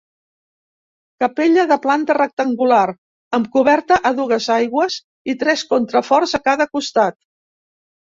Capella de planta rectangular amb coberta a dues aigües i tres contraforts a cada costat.